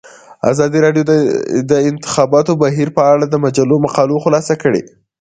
ازادي راډیو د د انتخاباتو بهیر په اړه د مجلو مقالو خلاصه کړې.